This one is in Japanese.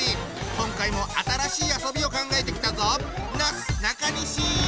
今回も新しい遊びを考えてきたぞ！